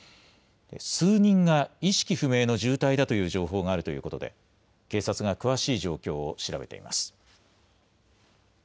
数人が意識不明の重体だという情報があるということで警察が詳しい状況を調べています。